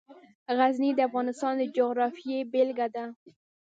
غزني د افغانستان د جغرافیې بېلګه ده.